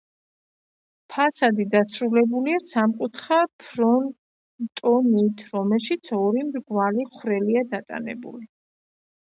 ფასადი დასრულებულია სამკუთხა ფრონტონით, რომელშიც ორი მრგვალი ხვრელია დატანებული.